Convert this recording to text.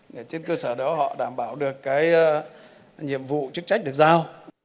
để trên cơ sở đó họ đảm bảo được cái nhiệm vụ chức trách được giao